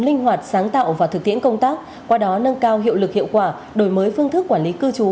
linh hoạt sáng tạo và thực tiễn công tác qua đó nâng cao hiệu lực hiệu quả đổi mới phương thức quản lý cư trú